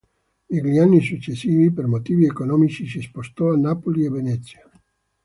Negli anni successivi, per motivi economici si spostò a Napoli e Venezia.